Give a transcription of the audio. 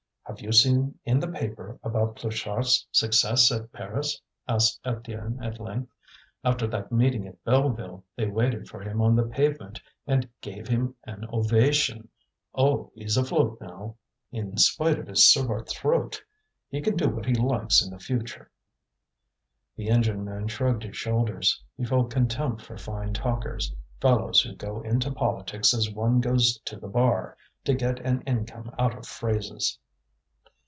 "Have you seen in the paper about Pluchart's success at Paris?" asked Étienne, at length. "After that meeting at Belleville, they waited for him on the pavement, and gave him an ovation. Oh! he's afloat now, in spite of his sore throat. He can do what he likes in the future." The engine man shrugged his shoulders. He felt contempt for fine talkers, fellows who go into politics as one goes to the bar, to get an income out of phrases.